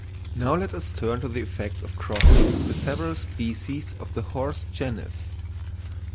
Now let us turn to the effects of crossing the several species of the horse genus.